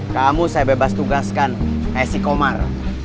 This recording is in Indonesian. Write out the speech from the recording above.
kamu saya bebas tugaskan ngasih komar